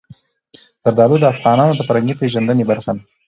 زردالو د افغانانو د فرهنګي پیژندنې برخه ده.